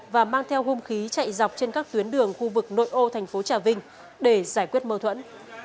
và mang theo hung khí chạy dọc trên các tuyến đường khu vực nội ô thành phố trà vinh để giải quyết mâu thuẫn